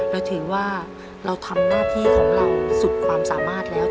เราถือว่าเราทำหน้าที่ของเราสุดความสามารถแล้ว